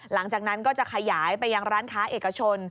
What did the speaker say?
หลังจากนั้นก็จะขยายไปยังร้านค้าเอกชน